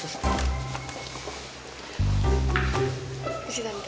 terima kasih tante